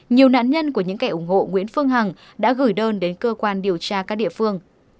nhiều nạn nhân của những kẻ ủng hộ nguyễn phương hằng đã gửi đơn đến cơ quan điều tra các địa phương